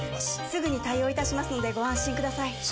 すぐに対応いたしますのでご安心ください